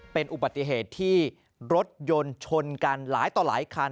เป็นอุบัติเหตุที่รถยนต์ชนกันหลายต่อหลายคัน